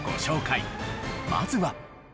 まずは。